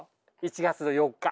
１月４日。